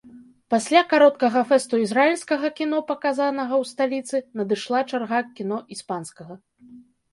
Пасля кароткага фэсту ізраільскага кіно, паказанага ў сталіцы, надышла чарга кіно іспанскага.